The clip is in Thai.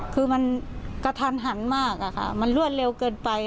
คือมันกระทันหันมากอะค่ะมันรวดเร็วเกินไป